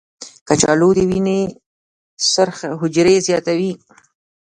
کچالو د وینې سرخ حجرې زیاتوي.